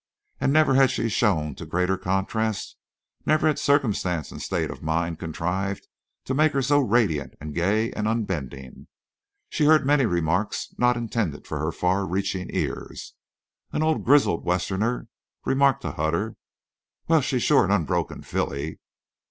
And never had she shown to greater contrast, never had circumstance and state of mind contrived to make her so radiant and gay and unbending. She heard many remarks not intended for her far reaching ears. An old grizzled Westerner remarked to Hutter: "Wall, she's shore an unbroke filly."